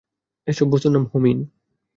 এসব বস্তুর নাম হুমিন।